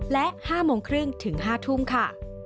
และ๕โมงครึ่งถึง๕ทุ่มค่ะ